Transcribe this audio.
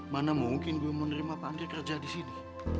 mana mungkin gue menerima pak andre kerja di sini